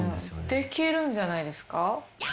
できるんじゃないですか？